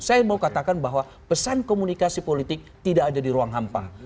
saya mau katakan bahwa pesan komunikasi politik tidak ada di ruang hampa